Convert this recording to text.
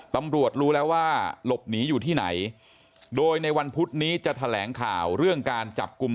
รู้แล้วว่าหลบหนีอยู่ที่ไหนโดยในวันพุธนี้จะแถลงข่าวเรื่องการจับกลุ่ม